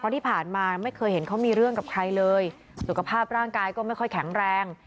ที่ผ่านมาไม่เคยเห็นเขามีเรื่องกับใครเลยสุขภาพร่างกายก็ไม่ค่อยแข็งแรง